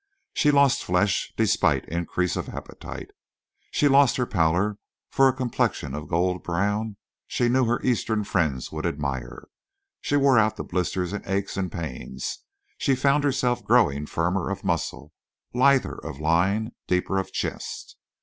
She lost flesh despite increase of appetite; she lost her pallor for a complexion of gold brown she knew her Eastern friends would admire; she wore out the blisters and aches and pains; she found herself growing firmer of muscle, lither of line, deeper of chest.